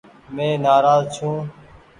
مين نآراز ڇون ۔